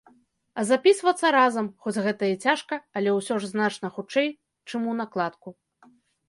А запісвацца разам, хоць гэта і цяжка, але ўсё ж значна хутчэй, чым унакладку.